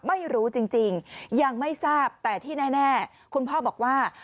ไม่รู้จริงยังไม่ทราบแต่ที่แน่คุณพ่อบอกว่า